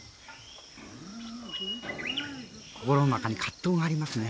心の中に葛藤がありますね。